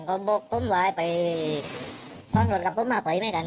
เขาบุกปุ้มวายไปท่อนรถกับปุ้มมากไว้ไม่กันอ่ะ